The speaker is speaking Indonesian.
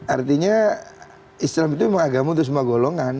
artinya islam itu memang agama untuk semua golongan